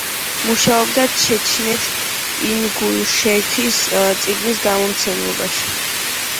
მუშაობდა ჩეჩნეთ–ინგუშეთის წიგნის გამომცემლობაში.